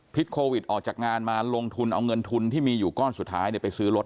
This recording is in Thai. โควิดออกจากงานมาลงทุนเอาเงินทุนที่มีอยู่ก้อนสุดท้ายไปซื้อรถ